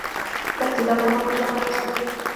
دښتې د افغانانو ژوند اغېزمن کوي.